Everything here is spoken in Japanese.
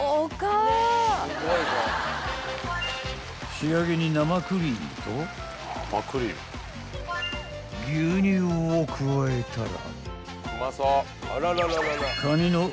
［仕上げに生クリームと牛乳を加えたら］